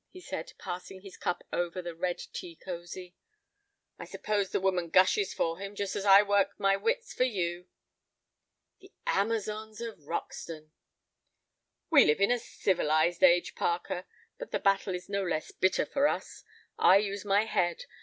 he said, passing his cup over the red tea cosy. "I suppose the woman gushes for him, just as I work my wits for you." "The Amazons of Roxton." "We live in a civilized age, Parker, but the battle is no less bitter for us. I use my head.